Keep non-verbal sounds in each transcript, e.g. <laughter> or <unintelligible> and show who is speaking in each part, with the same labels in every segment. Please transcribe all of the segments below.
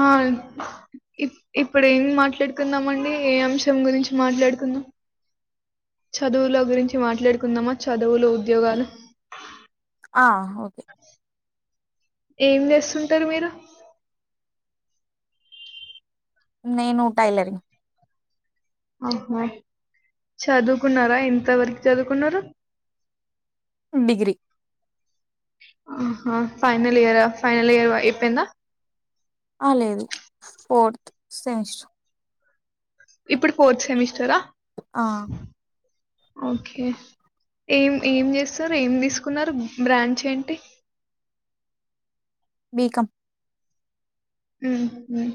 Speaker 1: ఆ ఇ ఇప్పుడు ఏం మాట్లాడుకుందామ అండి ఏ అంశం గురించి మాట్లాడుకుందాం చదువుల గురించి మాట్లాడుకుందామా చదు వులు ఉద్యోగాలు
Speaker 2: ఆ! ఓకే.
Speaker 1: ఏం చేస్తుంటారు మీరు
Speaker 2: నేనుూ టైలరింగ్
Speaker 1: ఆహో చదువుకున్నారా ఎంతవరకు చదువుకున్నారు
Speaker 2: డిగ్ర్రి
Speaker 1: ఆహా ఫైనల్ ఇయర్ ఫైనల్ ఇయర్ ఏప్పంద
Speaker 2: ఆ లేదు ఫోర్త్ సెమిస్టర్
Speaker 1: ఇప్పుడు ఫోర్త్ సెమిస్టరా
Speaker 2: ఆ!
Speaker 1: ఓకే ఏం ఏం చేస్తారు ఏం తీసుకున్నారు బ్రాంచ్ ఏంటి
Speaker 2: బీకాం
Speaker 1: హ్మ్ హ్మ్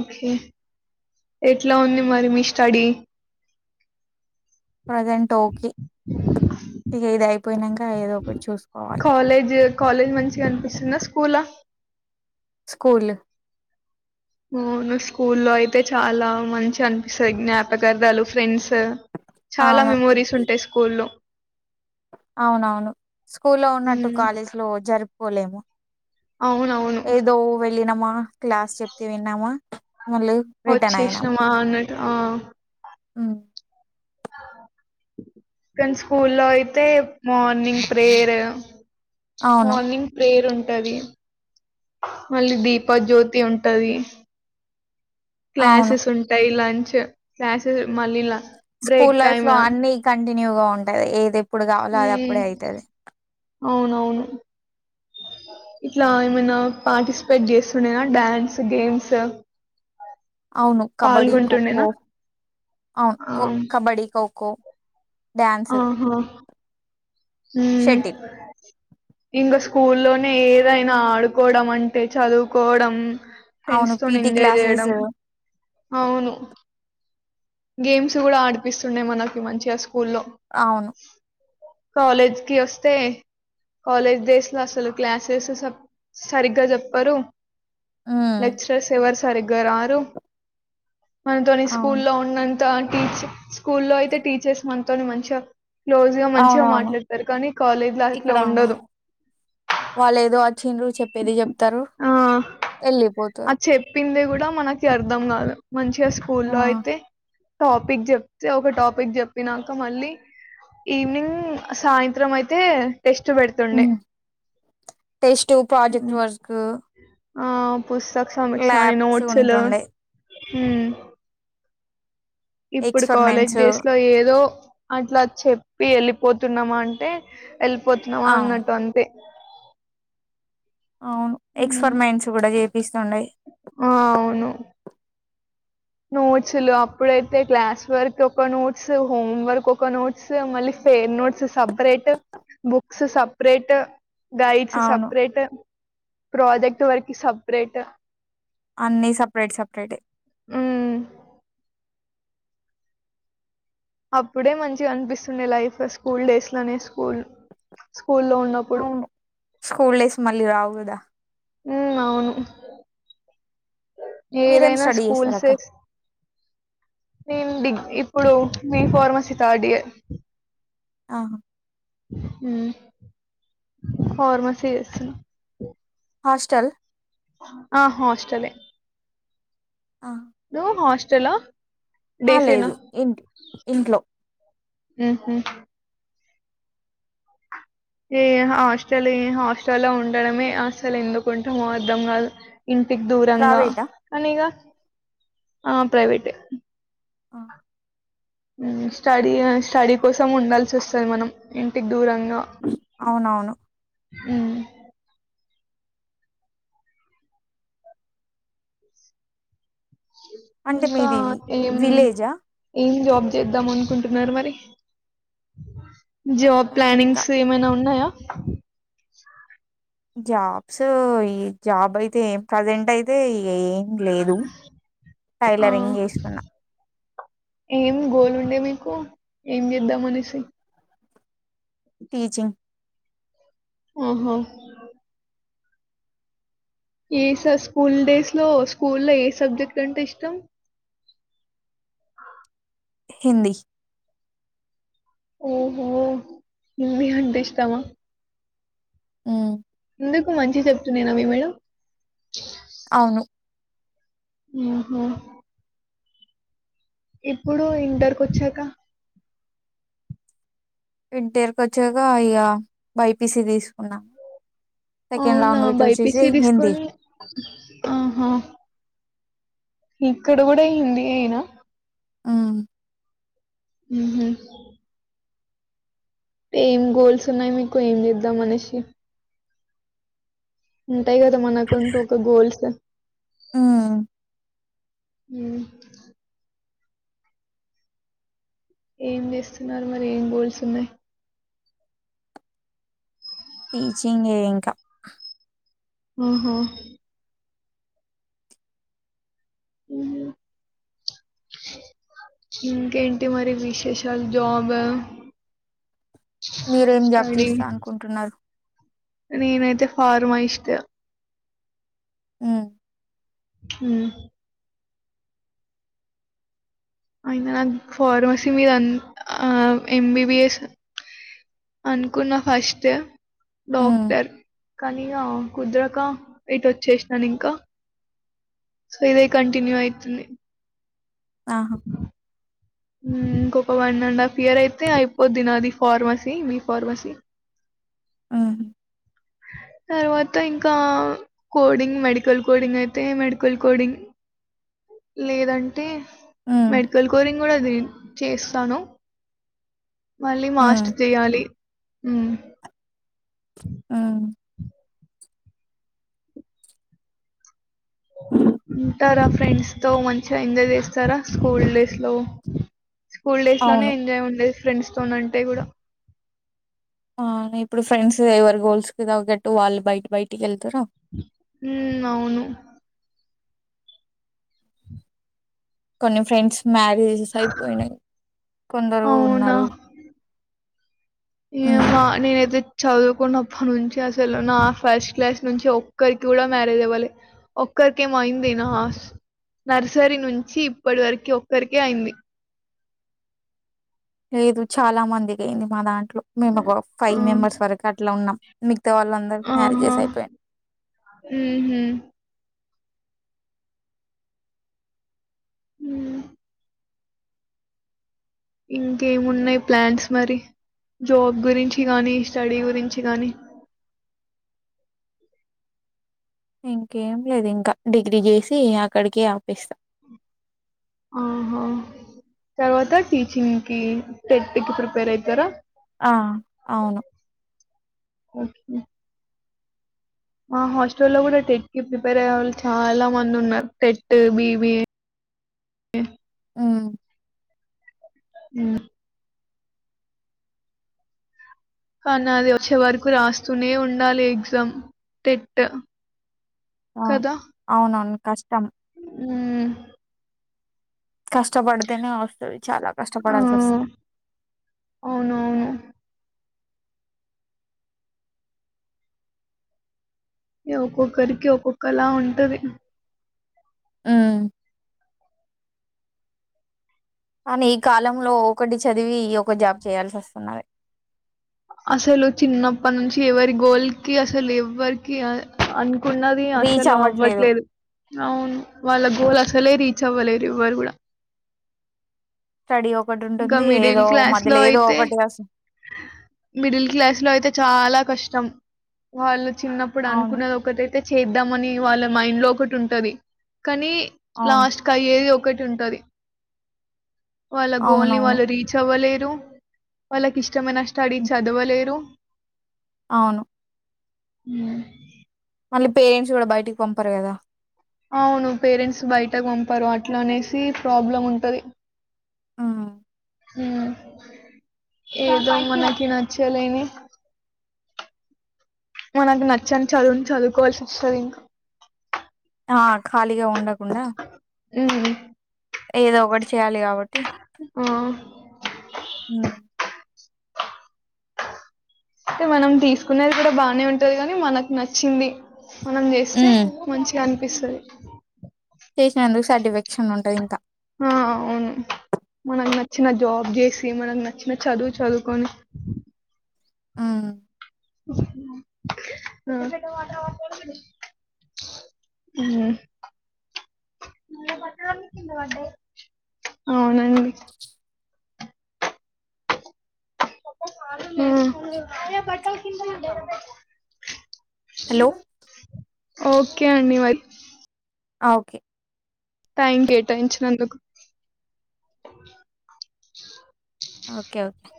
Speaker 1: ఓకే ఎట్లా ఉంది మరి మీ స్టడీ
Speaker 2: ప్రెజెంట్ ఓకే ఇకదయి యిపోనాంగా ఏదో కటి చూసుకోవాలి
Speaker 1: కాలేజ్ కాలేజ్ మంచిగా ఆనిపిస్తుందా స్కూల్ ఆ
Speaker 2: స్కూలు
Speaker 1: అవును స్కూల్లో అయితే చాలా మంచి అనిపిస్తుంది జ్ఞాపకార్థాలు ఫ్రెండ్స్ చాలా
Speaker 2: అవును.
Speaker 1: మెమోరీస్ ఉంటాయి స్కూల్ లో
Speaker 2: అవునవును స్కూల్లో ఉన్నట్టు
Speaker 1: ఉమ్
Speaker 2: కాలేజ్ లో జరుపు పోలేము
Speaker 1: అవునవును
Speaker 2: మా క్లాస్ చెప్తే విన్నామా మళ్ళీ రిటర్న్
Speaker 1: వచ్చేస్నమా అన్నట్టు ఆ
Speaker 2: ఉమ్
Speaker 1: కానీ స్కూల్లో అయితే మార్నింగ్ ప్రేయర్
Speaker 2: అవును.
Speaker 1: మార్నింగ్ ప్రేయర్ ఉం టది మళ్ళీ దీపాజ్యోతి ఉంటది
Speaker 2: అవును.
Speaker 1: క్లాసెస్ ఉంటాయి లం చ్ క్లాసెస్ మళ్ళీ ల బ్రేక్
Speaker 2: స్కూల్ లైఫ్
Speaker 1: టైమ్
Speaker 2: లో
Speaker 1: ఉమ్
Speaker 2: అన్ని కంటిన్యూగా ఉంటది ఏదెప్ పుడ్ కావాలో అది అప్పుడే అయితది
Speaker 1: అవునవును ఇట్లా ఏమైనా పార్టిసిపేట్ చేస్తుండేనా డ్యాన్స్ గేమ్స్
Speaker 2: అవును కబడ్డిీ ఖోఖో
Speaker 1: పాల్గొంటుండేనా
Speaker 2: అవును
Speaker 1: ఆ
Speaker 2: కబడ్డిీ ఖో కో
Speaker 1: ఆహా ఊ...
Speaker 2: షటిల్
Speaker 1: ఇంగ స్కూల్లోనే ఏదైనా ఆడుకోవడం అంటే చదువుకోవడం ఫ్రెండ్స్
Speaker 2: అవును
Speaker 1: తోని
Speaker 2: పిటి
Speaker 1: ఎంజాయ్ చేయడం
Speaker 2: క్లాసెస్
Speaker 1: అవును గేమ్స్ కూడా ఆడిపిస్తుండే మనకి మంచిగా స్కూల్లో
Speaker 2: అవును.
Speaker 1: కాలేజ్ కి వస్తే కాలేజ్ డేస్ లో అసలు క్లాసెస్ సక్ సరిగ్గా చెప్పరు
Speaker 2: హ్మ్.
Speaker 1: లెక్చరర్స్ ఎవరు సరిగ్గాా రారు మన తోని స్కూల్
Speaker 2: అవును.
Speaker 1: ఉన్నంత టీచర్ స్కూల్లో అయితే టీచర్స్ మనతోని మంచిగా క్లోజ్ గా మంచిగా
Speaker 2: అవునవును.
Speaker 1: మాట్లాడతారు కానీ కాలేజ్ లో అట్లా
Speaker 2: ఇక్కడ
Speaker 1: ఉండదు
Speaker 2: వాళ్ళేదో చెప్పేది చెప్
Speaker 1: ఆ ఆ చెప్పిందే కూడా మనకి అర్థం కాదు మంచి ఇ స్కూల్
Speaker 2: ఆ!
Speaker 1: లో ఆయితే టాపిక్ చెప్తే ఒక టాపిక్ చెప్పినాక మళ్ళీ ఈవినింగ్ సాయంత్రం అయితే టెస్ట్ పెడుతుండే
Speaker 2: టెస్ట్ ప్రాజెక్ట్ వర్క్
Speaker 1: అ ఆ పుస్తక సంమిక్షని
Speaker 2: ల్యాబ్స్
Speaker 1: నోట్స్లు
Speaker 2: ఉంటుండే.
Speaker 1: హ్మ్మ్ ఇప్పుడు కాలేజ్
Speaker 2: ఎక్స్‌పరిమెంట్సు.
Speaker 1: డేస్ లో ఏదో అట్లా చెప్పి వెళ్ళిపోతున్నామా అంటే వెళ్ళిపోతున్నావా
Speaker 2: ఆ!
Speaker 1: అన్నట్టు అంతే
Speaker 2: అవును
Speaker 1: ఉమ్,
Speaker 2: ఎక్స్పరిమెంట్స్ కూడా చె ప్రీసండయి
Speaker 1: నోట్స్లు అప్పుడైతే క్లాస్ వర్క్ ఒక నోట్స్ హోమ్ వర్క్ ఒక నోట్స్ మళ్ళీ fair notes separate books separate guides
Speaker 2: అవును.
Speaker 1: సెపరేట్ ప్రాజెక్ట్ వర్క్ సపరేట్
Speaker 2: అన్నిీ సపరేట్ సపరేట్ ఏ
Speaker 1: హుమ్మ్ అప్పుడే మంచిగా అనిపిస్తుండే లైఫ్ స్కూల్ డేస్ లోనే స్కూల్ స్కూల్లో ఉన్నప్పుడు.
Speaker 2: అవును స్కూల్ డేస్ మళ్ళీ రావు కదా
Speaker 1: ఉ అవును
Speaker 2: మీరేం
Speaker 1: ఏదైనా
Speaker 2: స్టడీ
Speaker 1: స్కూల్స్
Speaker 2: జేస్తారక్క?
Speaker 1: సెస్ డిగ ఇప్పుడు మీ ఫార్మసీ థర్డ్య
Speaker 2: ఆ
Speaker 1: హ్మ్ ఫార్మసీ చేస్తున్నా
Speaker 2: హాస్టల్
Speaker 1: ఆ హాస్టల్లె
Speaker 2: ఆ!
Speaker 1: నొ హస్ చెలో
Speaker 2: ఆ లేదు ఇంటి ఇంట్లో
Speaker 1: హుహు. ఏ హాస్టల్ ఏ హాస్టల్ల్లో ఉండడమే అసలు ఎందుకు ఉంటామో అర్థం కాదు ఇంటికి దూరంగా
Speaker 2: ప్రైవేటా?
Speaker 1: అనీగా ఆ ప్రైవేట్
Speaker 2: ఆ
Speaker 1: స్టడీ స్టడీ కోసం ఉండాల్సి వస్తుంది మనం ఇంటికి దూరంగా
Speaker 2: అవునవును
Speaker 1: హ్మ్
Speaker 2: అంటే
Speaker 1: ఇంకా
Speaker 2: మీది
Speaker 1: ఏం
Speaker 2: విలేజా
Speaker 1: ఏం జాబ్ చేద్దాం అనుకుంటున్నారు మరి జాబ్
Speaker 2: ఆ, ఇంకా
Speaker 1: ప్లానింగ్స్ ఏమైనా ఉన్నాయా
Speaker 2: జాబ్స్ ఈ జాబ్ అయితే ప్రజెంట్ అయితే ఏం లేదు
Speaker 1: ఆ
Speaker 2: టైలరింగ్ చేస్తున్నా
Speaker 1: ఏం గోల్ ఉండే మీకు ఏం చేద్దాం అనేసి
Speaker 2: బీజింగ్
Speaker 1: ఆహా ఏ స స్కూల్ డేస్ లో స్కూల్ లో ఏ సబ్జెక్ట్ కంటే ఇష్టం
Speaker 2: హిందీ
Speaker 1: ఓహో నిన్న అంట ఇష్టవా
Speaker 2: హ్మ్
Speaker 1: ఎందుకు మంచి చెప్తున్నానువి మేడం
Speaker 2: అవును
Speaker 1: ఓహో ఇప్పుడు ఇంటరక వచ్చాక
Speaker 2: ఇంటర్ కి వచ్చాక ఇక బైపీస తీసుకున్నా
Speaker 1: అవునా బైపిసి తీసుకొని ఆహా ఇక్కడ కూడా హిందీ అయినా
Speaker 2: హ్మ్
Speaker 1: ఆహ ఏం గోల్స్ ఉన్నాయి మీకు ఏం చేద్దాం మనిషి ఉంటాయి కదా మనకంటూ ఒక గోల్స్
Speaker 2: ఆ
Speaker 1: హ్మ ఏం చేస్తున్నారు మరి ఏం గోల్స్ ఉన్నాయి
Speaker 2: టీచింగ్ ఏ ఇంకా
Speaker 1: ఆహా ఇంకేంటి మరి విశేషాలు జాబ్
Speaker 2: మీరేం జాబ్
Speaker 1: స్టడీ?
Speaker 2: చేస్తా అనుకుంటున్నారు
Speaker 1: నేనైతే ఫార్మాస్ట్
Speaker 2: హ్మ
Speaker 1: హ్మ అయినా నాకు ఫార్మసీ మీద ఆ ఎంబిబిఎస్ అనుకున్నా ఫస్ట్
Speaker 2: ఉమ్,
Speaker 1: డాక్టర్ కానీ కుదరక ఇటు వచ్చేసినాను ఇంకా సో ఇదే కంటిన్యూ అయితుంది
Speaker 2: ఆహా
Speaker 1: ఇంకొక వన్ అండ్ హాఫ్ ఇయర్ అయితే అయిపోద్ది నాది ఫార్మసీ బి ఫార్మసీ
Speaker 2: ఆ
Speaker 1: తర్వాత ఇంకా కోడింగ్ మెడికల్ కోడింగ్ అయితే మెడికల్ కోడింగ్ లేదంటే
Speaker 2: ఉమ్,
Speaker 1: మెడికల్ కోరింగ్ కూడాది చేస్తాను మళ్ళీ
Speaker 2: ఉమ్,
Speaker 1: మాస్ట్ చేయాలి హ్మ
Speaker 2: ఆ
Speaker 1: ఉంటారా ఫ్రెండ్స్ తో మంచిగా ఎంజాయ్ చేస్తారా స్కూల్ డేస్ లో స్కూల్ డేస్ లోనే
Speaker 2: అవును
Speaker 1: ఎంజాయ్ ఉండే ఫ్రెండ్స్ తోన్ అంటే కూడా
Speaker 2: ఆ ఇప్పుడు ఫ్రెండ్స్ ఎవరు గోల్స్ కి తగ్గట్టు వాళ్ళు బయట బయటికి వెళ్తార
Speaker 1: హ్మ అవును
Speaker 2: కొన్ని ఫ్రెండ్స్ మ్య జాస్ అయిపోయినాయి కొందరు ఉన్నారు
Speaker 1: ఏ
Speaker 2: ఉమ్
Speaker 1: మా నేను ఏతే చదువుకున్నప్పటి నుంచి అసలు నా ఫస్ట్ క్లాస్ నుంచి ఒక్కరికి కూడా మ్యారేజ్ అవ్వాలే ఒక్కరికేమో అయింది నా నర్సరీ నుంచి ఇప్పటి వరకి ఒక్కరికే అయింది
Speaker 2: లేదు చాలా మందికి అయింది మా దాంట్లో మేము ఒక
Speaker 1: ఆ,
Speaker 2: ఫైవ్ మెంబర్స్ వరకు అట్లా ఉన్నాం మీ
Speaker 1: ఆహా హ్మ హ్మ హ్మ ఇంకేమున్నాయి ప్లాన్స్ మరి జాబ్ గురించి గానీ స్టడీ గురించి గానీ
Speaker 2: ఇంకేం లేదు ఇంకా డిగ్రీ చేసి అక్కడికి ఆపేస్తా
Speaker 1: ఆహ తర్వాత టీచింగ్ కి టెట్ కి ప్రిపేర్ అయితారా
Speaker 2: ఆ అవును
Speaker 1: మ్మ్ హ్మ్ మా హాస్టల్ లో కూడా టెట్ కి ప్రిపేర్ అయ్య వాళ్ళు చాలా మంది ఉన్నారు టెట్ బిబి హ్మ్
Speaker 2: మ్మ్
Speaker 1: మ్మ్ కానీ అది వచ్చే వరకు రాస్తూనే ఉండాలి ఎగ్జామ్ టెట్
Speaker 2: ఆ అవునవును కష్టం
Speaker 1: మ్మ్
Speaker 2: కష్టపడ్తేనే వస్తాది చాలా
Speaker 1: ఆ!
Speaker 2: కష్టపడాల్సి వస్తాది
Speaker 1: అవునవును. ఒక్కొక్కరికి ఒక్కొక్కలా ఉంటది
Speaker 2: మ్మ్ కానీ ఈ కాలంలో ఒకటి చదివి ఈ ఒక జాబ్ చేయాల్సి వస్తున్నది
Speaker 1: అసలు చిన్నప్పటి నుంచి ఎవరి గోల్కి అసలు ఎవరికి అ అం న్నది అసలు అవ్వట్లేదు అవును వాళ్ళ గోల్ సలే రీచ్ అవ్వలేరువ్వరు కూడా
Speaker 2: స్టడీ ఒకటి
Speaker 1: ఇంకా
Speaker 2: ఉంటుంది
Speaker 1: మిడిల్
Speaker 2: ఏదో
Speaker 1: క్లాస్ లో
Speaker 2: మధ్యలో ఏదో
Speaker 1: అయితే
Speaker 2: ఒకటి అస
Speaker 1: మిడిల్ క్లాస్ లో అయితే చాలా కష్టం వాళ్ళు చిన్నప్పుడు
Speaker 2: అవును
Speaker 1: అనుకున్నది ఒకటీ అయితే చేద్దామని వాళ్ళ మైండ్ లో ఒకటి ఉంటది కానీ
Speaker 2: అవును
Speaker 1: లాస్ట్ కి అయ్యేది ఒక కటి ఉంటది వాళ్ళ గోల్ ని
Speaker 2: అవునవును
Speaker 1: వాళ్ళు రీచ్ అవ్వలే వాళ్ళకి ఇష్ట మైన స్టడీ
Speaker 2: హ్మ్.
Speaker 1: చదవలేరు
Speaker 2: అవును
Speaker 1: మ్మ్
Speaker 2: మళ్ళీ పేరెంట్స్ కూడా బయటికి పంపరు కదా
Speaker 1: అవును పేరెంట్స్ బయటకు పంపారు అట్లా అనేసి ప్రాబ్లం ఉంటది
Speaker 2: హ్మ్
Speaker 1: హ్మ్ ఏదో మనకి నచ్చలేని మనకు నచ్చని చదువు చదువుకోవాల్సిస్తది ఇంకా
Speaker 2: ఆ ఖాళీగా ఉండకు కుండ
Speaker 1: మ్మ్
Speaker 2: ఏదో ఒకటి చేయాలి కాబ
Speaker 1: ఆ!
Speaker 2: హ్మ్
Speaker 1: మనం తీసుకునేది కూడా బానే ఉంటది కాని మనకు నచ్చింది మనం చేస్తే
Speaker 2: ఉమ్
Speaker 1: మంచిగా అనిపి ఇస్తది
Speaker 2: చేసినందుకు సాటిఫిక్షన్ ఉంటది ఇంకా
Speaker 1: ఆ అవును మనకు నచ్చిన జాబ్ చేసి మనకు నచ్చిన చదువు చదువుకొని
Speaker 2: హ్మ్
Speaker 1: అవునండి <unintelligible>
Speaker 2: హలో
Speaker 1: ఓకే అండి మరి
Speaker 2: ఆ ఓకే
Speaker 1: థ్యాంక్ యు టైమ్ ఇచ్చినందుకు
Speaker 2: ఓకే ఓకే